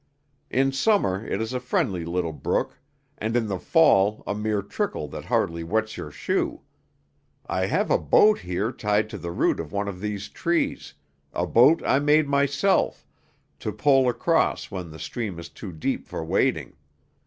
In summer it is a friendly little brook, and in the fall a mere trickle that hardly wets your shoe. I have a boat here tied to the root of one of these trees, a boat I made myself, to pole across when the stream is too deep for wading.